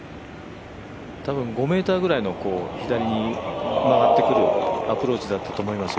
多分、５ｍぐらいの左に曲がってくるアプローチだったと思います。